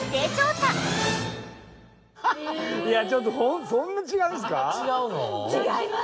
いやちょっとそんなに違うんですか？